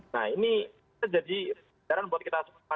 nah ini jadi jalan buat kita semua